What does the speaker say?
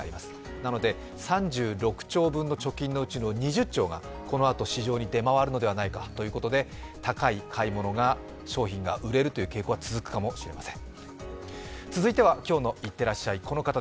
なので３６兆分の貯蓄のうちの２０兆がこのあと市場に出回るのではないかということで高い商品が売れるという傾向が続くかもしれません。